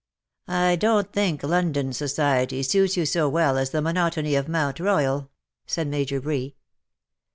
" I don^t think London society suits you so well as the monotony of Mount Royal," said Major Bree.